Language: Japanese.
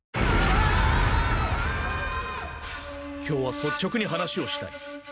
今日は率直に話をしたい。